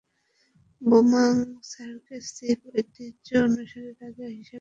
Bohmong circle chief ঐতিহ্য অনুসারে "রাজা" হিসেবেও পরিচিত হন।